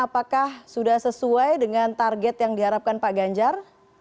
apakah sudah sesuai dengan target yang diharapkan pak ganjar